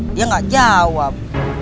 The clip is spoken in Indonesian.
dia nggak jawab